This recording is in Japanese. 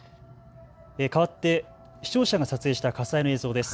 かわって視聴者が撮影した火災の映像です。